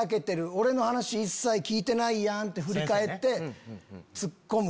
「俺の話一切聞いてないやん！」って振り返ってツッコむ。